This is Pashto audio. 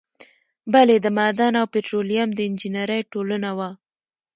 بله د معدن او پیټرولیم د انجینری ټولنه وه.